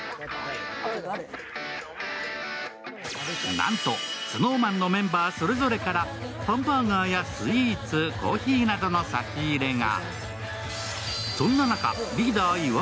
なんと、ＳｎｏｗＭａｎのメンバーそれぞれからハンバーガーやスイーツ、コーヒーなどの差し入れが。